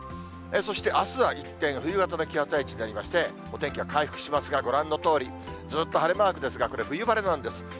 そしてあすは一転、冬型の気圧配置になりまして、お天気は回復しますが、ご覧のとおり、ずっと晴れマークですが、これ、冬晴れなんです。